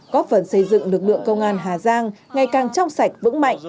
góp phần xây dựng lực lượng công an hà giang ngày càng trong sạch vững mạnh